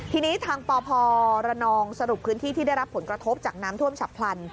ทีนี้ทางปพรนองสรุปพื้นที่ที่ได้รับผลกระทบจากน้ำท่วมฉับพลัน